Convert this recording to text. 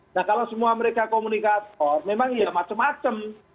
nah kalau semua mereka komunikator memang ya macem macem